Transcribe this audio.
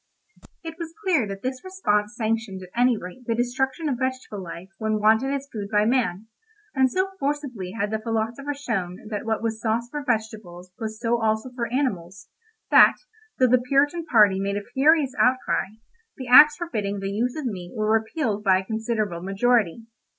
It was clear that this response sanctioned at any rate the destruction of vegetable life when wanted as food by man; and so forcibly had the philosopher shown that what was sauce for vegetables was so also for animals, that, though the Puritan party made a furious outcry, the acts forbidding the use of meat were repealed by a considerable majority.